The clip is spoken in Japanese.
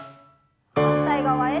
反対側へ。